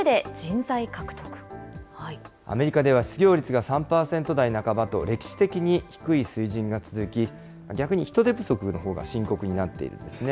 アメリカでは失業率が３％台半ばと、歴史的に低い水準が続き、逆に人手不足のほうが深刻になっているんですね。